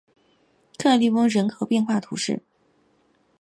克利翁人口变化图示